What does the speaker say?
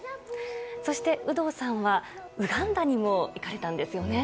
そして、有働さんはウガンダにも行かれたんですよね。